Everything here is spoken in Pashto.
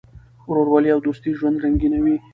ورورولي او دوستي ژوند رنګینوي.